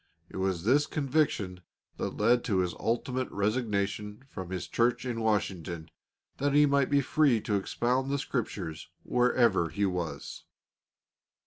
It was this conviction that led to his ultimate resignation from his church in Washington, that he might be free to expound the Scriptures wherever he was.